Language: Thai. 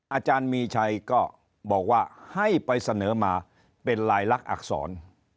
อาจารย์มีชัยก็บอกว่าให้ไปเสนอมาเป็นลายลักษณ์อักษร